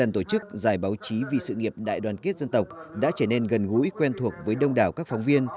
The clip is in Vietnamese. tổ chức giải báo chí vì sự nghiệp đại đoàn kết dân tộc đã trở nên gần gũi quen thuộc với đông đảo các phóng viên